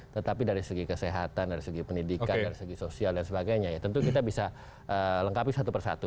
tetapi dari segi kesehatan dari segi pendidikan dari segi sosial dan sebagainya ya tentu kita bisa lengkapi satu persatu